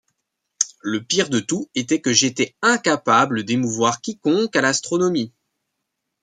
Le pire de tout était que j’étais incapable d’émouvoir quiconque à l’astronomie.